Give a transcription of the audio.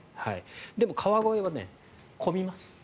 でも、川越は混みます。